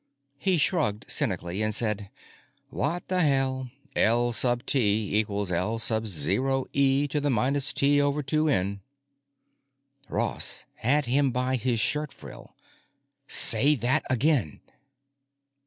He shrugged cynically and said, "What the hell? L sub T equals L sub zero e to the minus T over two N." Ross had him by his shirt frill. "Say that again!"